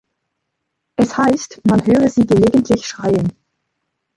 Es heißt, man höre sie gelegentlich schreien.